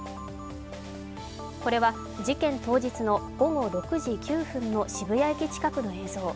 これは事件当日の午後６時９分の渋谷駅近くの映像。